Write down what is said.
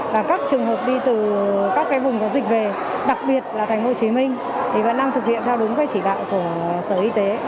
và các trường hợp đi từ các cái vùng có dịch về đặc biệt là thành phố hồ chí minh thì vẫn đang thực hiện theo đúng cái chỉ đạo của sở y tế